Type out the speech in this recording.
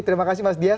terima kasih mas dias